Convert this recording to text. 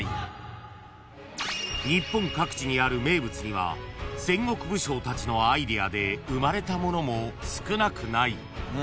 ［日本各地にある名物には戦国武将たちのアイデアで生まれたものも少なくない］